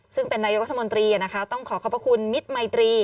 ซึ่งเป็นนายกรัฐมนตรีต้องขอขอบพระคุณมิตรมัยตรี